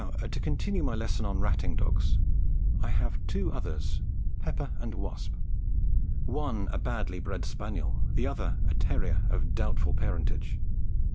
Now to continue my lesson on ratting dogs. I have two others, Pepper and Wasp one a badly bred spaniel, and the other a terrier of doubtful parentage.